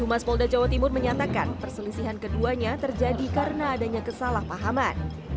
humas polda jawa timur menyatakan perselisihan keduanya terjadi karena adanya kesalahpahaman